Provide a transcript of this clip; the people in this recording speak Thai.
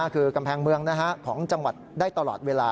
คือกำแพงเมืองของจังหวัดได้ตลอดเวลา